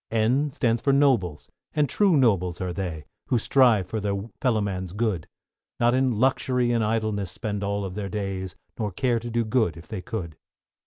=N= stands for Nobles, and true nobles are they, Who strive for their fellow man's good; Not in luxury and idleness spend all their days, Nor care to do good if they could.